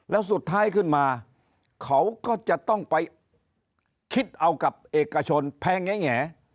แล้วสุดท้ายขึ้นมาเขาก็จะต้องไปคิดเอากับเอกชนแพงแง่